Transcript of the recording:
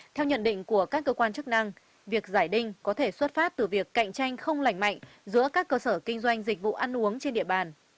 theo nhận định của các cơ quan chức năng việc giải đinh có thể xuất phát từ việc cạnh tranh không lành mạnh giữa các cơ sở kinh doanh dịch vụ ăn uống trên địa bàn